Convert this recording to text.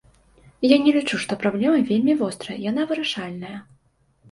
Я не лічу, што праблема вельмі вострая, яна вырашальная.